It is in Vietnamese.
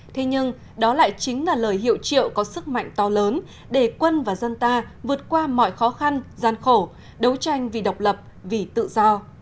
thế nhưng đó lại chính là lời hiệu triệu có sức mạnh to lớn để quân và dân ta vượt qua mọi khó khăn gian khổ đấu tranh vì độc lập vì tự do